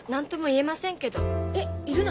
えっいるの？